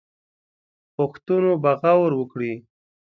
غوښتنو به غور وکړي.